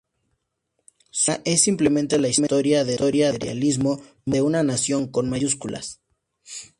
Su saga es simplemente la historia del materialismo de una nación con mayúsculas".